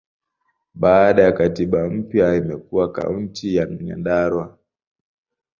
Baada ya katiba mpya, imekuwa Kaunti ya Nyandarua.